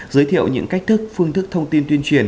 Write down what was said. giới thiệu những cách thức phương thức thông tin tuyên truyền